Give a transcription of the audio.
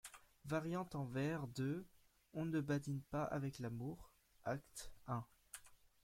Variante en vers de : On ne badine pas avec l'amour, acte un.